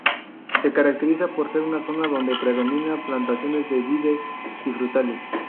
Se caracteriza por ser una zona donde predomina plantaciones de vides y frutales.